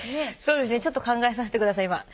そうですねちょっと考えさしてください